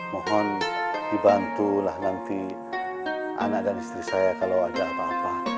mohon dibantulah nanti anak dan istri saya kalau ada apa apa